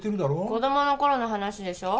子供の頃の話でしょ？